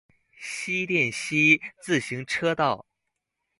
新店溪自行車道